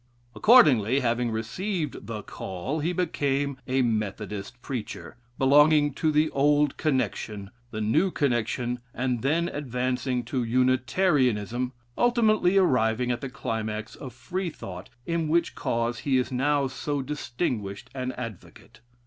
Accordingly, having received the "call," he became a Methodist preacher, belonging to the Old Connexion, the New Connexion, and then advancing to Unitarianism, ultimately arriving at the climax of Freethought, in which cause he is now so distinguished an advocate.